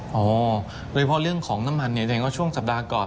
อ๋อโดยเฉพาะเรื่องของน้ำมันเนี่ยแสดงว่าช่วงสัปดาห์ก่อน